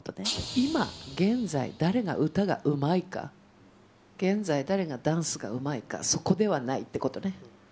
今、現在、誰が歌がうまいか、現在、誰がダンスがうまいか、そこではないってことね。